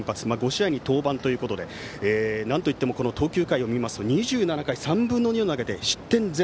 ５試合に登板ということでなんといっても投球回を見ますと２７回３分の２を投げて失点０。